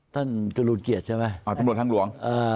ท่านจุฬุลเกียจใช่ไหมอ่ะตำรวจทางหลวง